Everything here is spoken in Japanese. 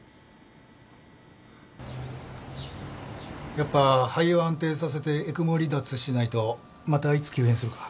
やっぱ肺を安定させてＥＣＭＯ離脱しないとまたいつ急変するか。